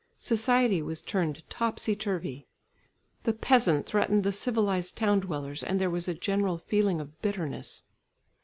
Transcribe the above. Society was turned topsy turvy. The peasant threatened the civilised town dwellers and there was a general feeling of bitterness.